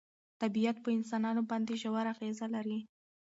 طبیعت په انسانانو باندې ژوره اغېزه لري.